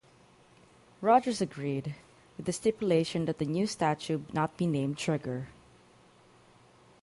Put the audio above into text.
Rogers agreed, with the stipulation that the new statue not be named "Trigger".